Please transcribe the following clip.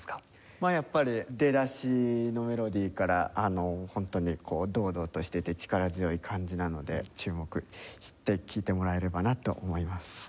まあやっぱり出だしのメロディーからホントにこう堂々としてて力強い感じなので注目して聴いてもらえればなと思います。